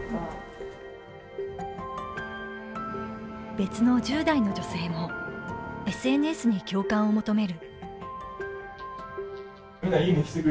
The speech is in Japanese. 別の１０代女性もＳＮＳに共感を求める。